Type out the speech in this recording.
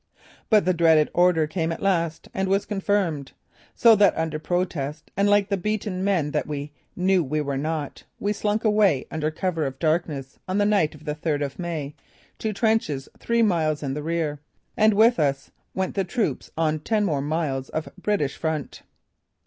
But the dreaded order came at last and was confirmed, so that under protest and like the beaten men that we knew we were not, we slunk away under cover of darkness on the night of the third of May to trenches three miles in the rear, and with us went the troops on ten more miles of British front.